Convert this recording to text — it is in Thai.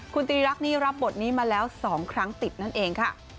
คุณตรีรักษ์นี่รับบทนี้มาแล้ว๒ครั้งติดนั่นเองค่ะ